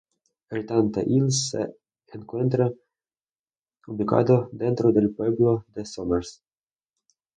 Heritage Hills se encuentra ubicado dentro del pueblo de Somers.